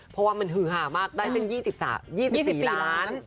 เพราะว่ามันฮือหามากได้เป็น๒๐ล้าน